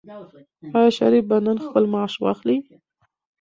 آیا شریف به نن خپل معاش واخلي؟